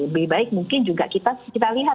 lebih baik mungkin juga kita lihat